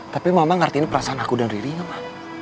tapi mama ngertiin perasaan aku dan riri enggak ma